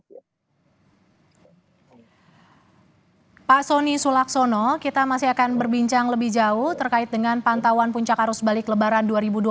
pak soni sulaksono kita masih akan berbincang lebih jauh terkait dengan pantauan puncak arus balik lebaran dua ribu dua puluh